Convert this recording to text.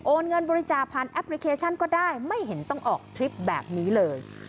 เงินบริจาคผ่านแอปพลิเคชันก็ได้ไม่เห็นต้องออกทริปแบบนี้เลย